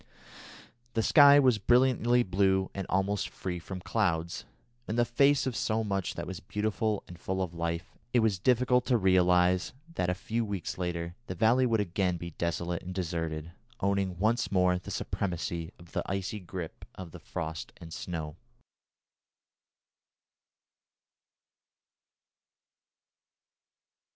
The sky was brilliantly blue and almost free from clouds. In the face of so much that was beautiful and full of life, it was difficult to realise that a few weeks later the valley would again be desolate and deserted, owning once more the supremacy of the icy grip of the frost and snow.